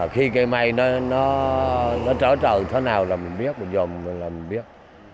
khi cây mai nó trở trời thế nào là mình biết mình dùng là mình biết